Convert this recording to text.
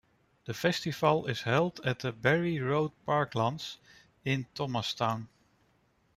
The festival is held at the Barry Road parklands in Thomastown.